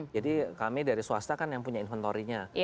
jadi kami dari swasta kan yang punya inventory nya